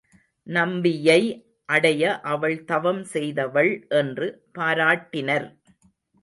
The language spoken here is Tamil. நம்பியை அடைய அவள் தவம் செய்தவள் என்று பாராட்டினர்.